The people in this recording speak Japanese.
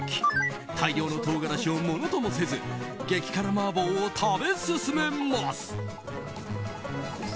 大量の唐辛子をものともせず激辛麻婆を食べ進めます。